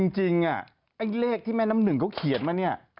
จริงไอ้เลขที่แม่น้ำหนึ่งเขาเขียนมาเนี่ย